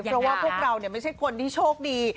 เพราะว่าพวกเราไม่ใช่คนที่โชคดี